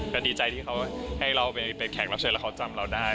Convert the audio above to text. ก็ดีใจที่เขาให้เราไปแขกรับเชิญแล้วเขาจำเราได้